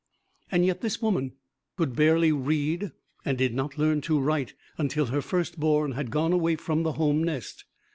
Yet this woman could barely read and did not learn to write until her firstborn had gone away from the home nest.